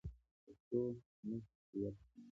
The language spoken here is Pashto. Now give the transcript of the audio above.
پښتو زموږ د هویت سند دی.